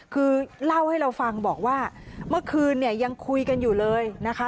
คือเล่าให้เราฟังบอกว่าเมื่อคืนเนี่ยยังคุยกันอยู่เลยนะคะ